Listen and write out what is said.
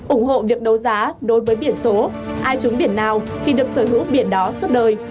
ủng hộ việc đấu giá đối với biển số ai trúng biển nào thì được sở hữu biển đó suốt đời